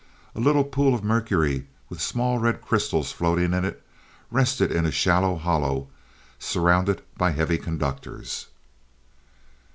A little pool of mercury, with small red crystals floating in it rested in a shallow hollow surrounded by heavy conductors.